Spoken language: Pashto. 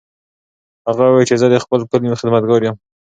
هغه وویل چې زه د خپل کلي خدمتګار یم.